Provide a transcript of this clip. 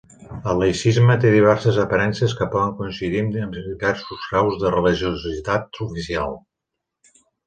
El laïcisme té diverses aparences que poden coincidir amb diversos graus de religiositat oficial.